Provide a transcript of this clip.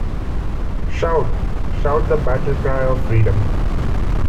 Shout, shout the battle cry of Freedom!